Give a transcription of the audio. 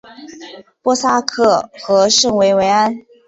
波萨克和圣维维安。